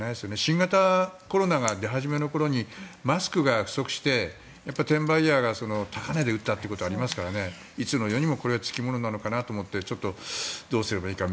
新型コロナが出始めの頃にマスクが不足して転売ヤーが高値で売ったということがありますからいつの世にもつきものなのかなと思ってちょっと、どうすればいいか